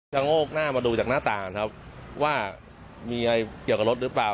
โงกหน้ามาดูจากหน้าต่างครับว่ามีอะไรเกี่ยวกับรถหรือเปล่า